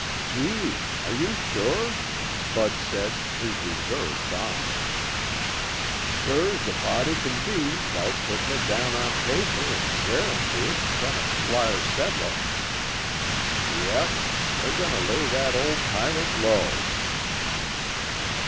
"Gee! Are you sure?" Bud said, his reserve gone. "Sure's a body can be 'thout putting it down on paper and swearing to it in front of Squire Sedlock. Yep. We're going to lay that old tyrant low."